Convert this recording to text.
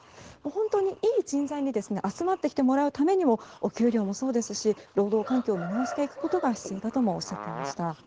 本当に、いい人材に集まってきてもらうためにもお給料もそうですし労働環境を見直していくことも必要だともおっしゃっていました。